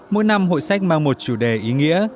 mỗi năm hội sách mang một chủ đề ý nghĩa